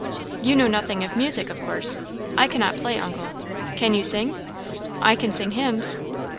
"You know nothing of music, of course?" "I cannot play, uncle." "Can you sing?" "I can sing hymns."